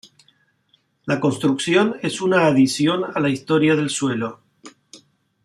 La construcción es una adición a la historia del suelo.